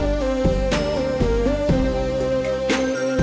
ว่า